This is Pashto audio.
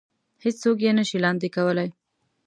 هېڅ څوک يې نه شي لاندې کولی.